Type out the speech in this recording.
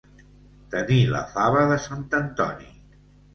Tenir la fava de sant Antoni.